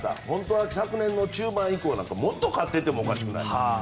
本当は昨年の中盤以降なんてもっと勝っていてもおかしくない。